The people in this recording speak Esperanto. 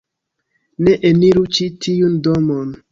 Ne eniru ĉi tiun domon...